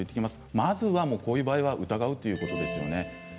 まずは、こういう場合は疑うということですね。